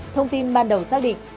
thông tin ban đầu xác định